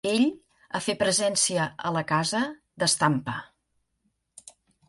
Ell, a fer presencia a la casa; d'estampa